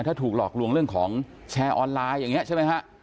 ถ้าถูกหลอกลวงเรื่องของแชร์ออนไลน์อย่างนี้ใช่ไหมฮะ